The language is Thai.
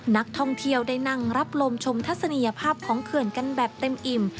นักท่องเที่ยวได้นั่งรับลมชมทัศนียภาพของเขื่อนกันแบบเต็มอิ่ม